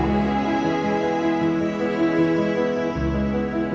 mama gak perlu minta maaf